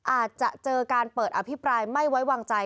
อาจจะเจอการเปิดอภิปรายไม่ไว้วางใจ